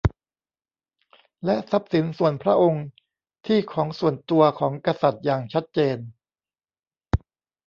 และทรัพย์สินส่วนพระองค์ ที่ของส่วนตัวของกษัตริย์ อย่างชัดเจน